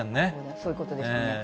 そういうことですね。